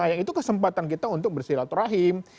yang itu kesempatan kita untuk bersilaturahim